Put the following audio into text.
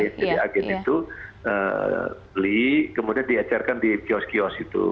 jadi agen itu beli kemudian diajarkan di kios kios itu